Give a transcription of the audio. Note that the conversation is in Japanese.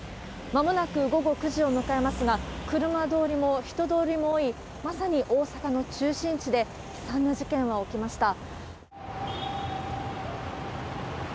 まもなく午後９時を迎えますが、車通りも人通りも多い、まさに大阪の中心地で、悲惨な事件は起きました。